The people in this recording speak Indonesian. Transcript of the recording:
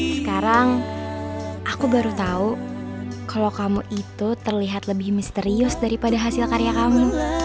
sekarang aku baru tahu kalau kamu itu terlihat lebih misterius daripada hasil karya kamu